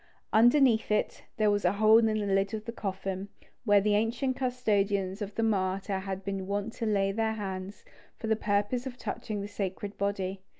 Underneath it, there was a hole in the lid of the coffin, where the ancient custodians of the martyr had been wont to lay their hands, for the purpose of touching the sacred body.